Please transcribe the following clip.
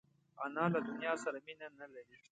انا له دنیا سره مینه نه لري